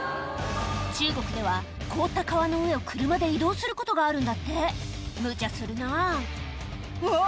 中国では凍った川の上を車で移動することがあるんだってむちゃするなぁうわ